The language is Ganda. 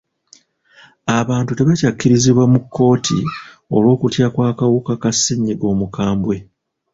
Abantu tebakyakkirizibwa mu kkooti olw'okutya kw'akawuka ka ssenyigga omukambwe.